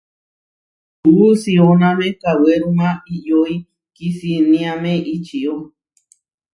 Kuú sióname kawéruma iʼyói kisiniáme ičió.